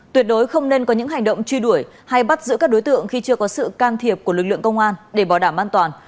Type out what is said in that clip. tuyệt đối không nên có những hành động truy đuổi hay bắt giữ các đối tượng khi chưa có sự can thiệp của lực lượng công an để bảo đảm an toàn